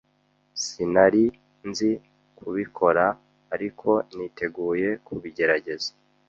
Sinari nzi kubikora, ariko niteguye kubigerageza.